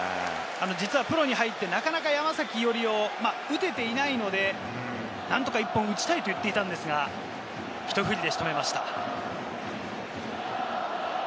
実はプロに入って、なかなか山崎伊織を打てていないので、何とか１本打ちたいと言っていたんですが、ひと振りで仕留めました。